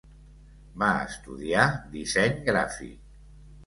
Va estudiar disseny gràfic.